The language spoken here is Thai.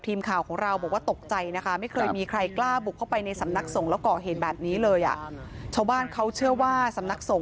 ตรงป่าที่สร้างวัดเห็นอะ